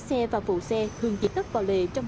cứ có hay đi không